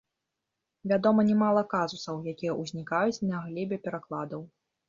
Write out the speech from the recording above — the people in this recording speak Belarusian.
Вядома нямала казусаў, якія ўзнікаюць на глебе перакладаў.